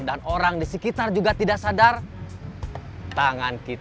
menurut roy lalu berpteen shiny kainna satu satuestly bangit